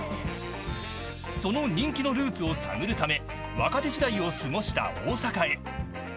その人気のルーツを探るため若手時代を過ごした大阪へ。